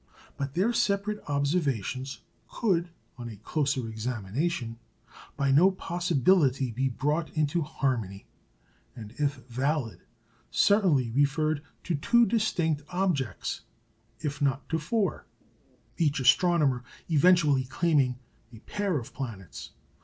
But their separate observations could, on a closer examination, by no possibility be brought into harmony, and, if valid, certainly referred to two distinct objects, if not to four; each astronomer eventually claiming a pair of planets.